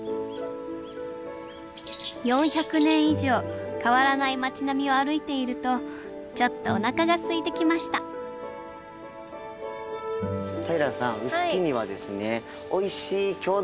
４００年以上変わらない町並みを歩いているとちょっとおなかがすいてきました平さんおっ。